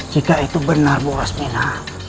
jika itu benar bu wasmina